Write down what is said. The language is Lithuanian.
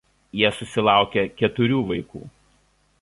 Jie susilaukė keturių vaikų.